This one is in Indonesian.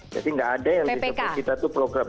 jadi nggak ada yang disebut kita itu program